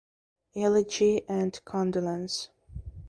Elegy and condolence.